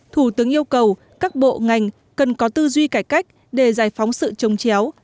thủ tướng yêu cầu các bộ ngành cần có tư duy cải cách để giải phóng sự trông chéo